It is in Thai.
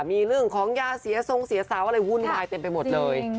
มีเรื่องของยาเสียทรงเสียสาวอะไรวุ่นวายเต็มไปหมดเลย